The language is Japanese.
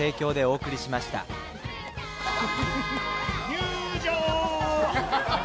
入場！